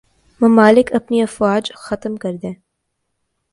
ممالک اپنی افواج ختم کر دیں